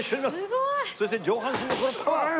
すごい！そして上半身のこのパワー！何！？